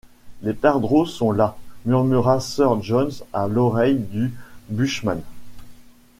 Les perdreaux sont là, murmura sir John à l’oreille du bushman.